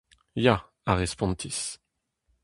Ya, a respontis.